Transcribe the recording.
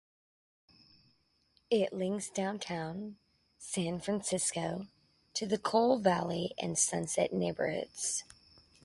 It links downtown San Francisco to the Cole Valley and Sunset neighborhoods.